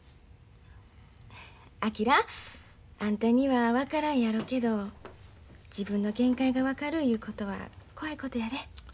昭あんたには分からんやろけど自分の限界が分かるいうことは怖いことやで。